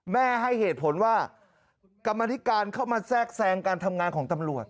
ให้เหตุผลว่ากรรมธิการเข้ามาแทรกแทรงการทำงานของตำรวจ